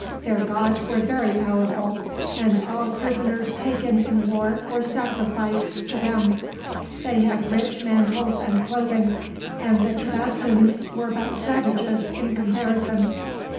Their gods were very powerful, and all prisoners taken in war were sacrificed to them. They had rich mantles and clothing, and the Tabascans were but savages, in comparison.